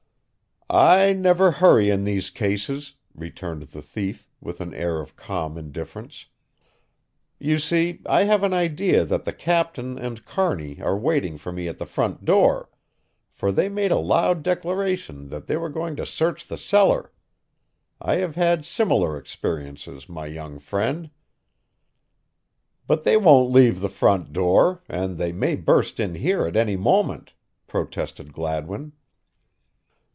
"I never hurry in these cases," returned the thief, with an air of calm indifference. "You see, I have an idea that the Captain and Kearney are waiting for me at the front door, for they made a loud declaration that they were going to search the cellar. I have had similar experiences, my young friend." "But they won't leave the front door, and they may burst in here at any moment," protested Gladwin.